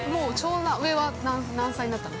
上は何歳になったの？